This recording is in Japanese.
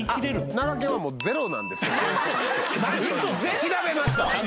調べました。